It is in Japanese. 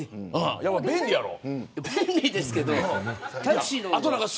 便利やろ。